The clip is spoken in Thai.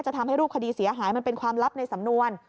ทำให้รูปคดีเสียหายมันเป็นความลับในสำนวน